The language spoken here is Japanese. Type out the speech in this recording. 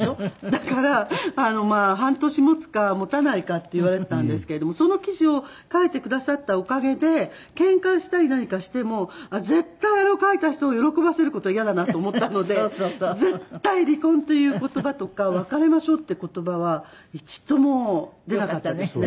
だから半年持つか持たないかって言われてたんですけれどもその記事を書いてくださったおかげでけんかしたり何かしても絶対あれを書いた人を喜ばせる事はイヤだなと思ったので絶対「離婚」という言葉とか「別れましょう」っていう言葉は一度も出なかったですね。